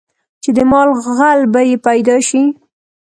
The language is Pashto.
چې د مال غل به یې پیدا شي.